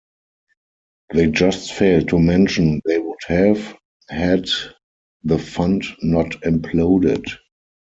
They just failed to mention they would have, had the fund not imploded.